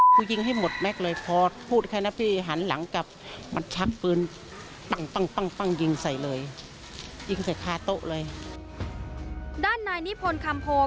กูอิงให้หมดแม็กซ์เลยครอบ